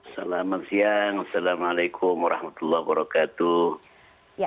selamat siang assalamualaikum warahmatullahi wabarakatuh